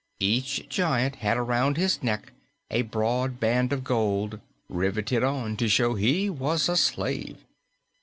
Each giant had around his neck a broad band of gold, riveted on, to show he was a slave.